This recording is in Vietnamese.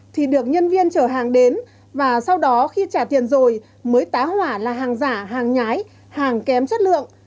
thì được nhân viên chở hàng đến và sau đó khi trả tiền rồi mới tá hỏa là hàng giả hàng nhái hàng kém chất lượng